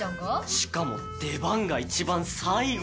しかも出番が一番最後なの。